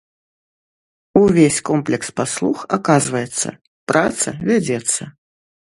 Увесь комплекс паслуг аказваецца, праца вядзецца.